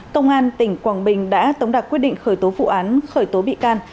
công an tỉnh quảng bình đã tống đặc quyết định khởi tố vụ án khởi tố bị can